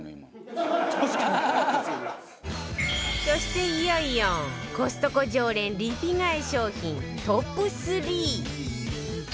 そしていよいよコストコ常連リピ買い商品トップ３